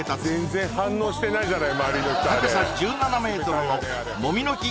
全然反応してないじゃない周りの人あれ高さ１７ｍのモミの木